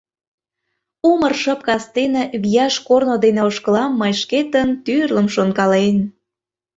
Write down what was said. Умыр шып кастене Вияш корно дене Ошкылам мый шкетын Тӱрлым шонкален.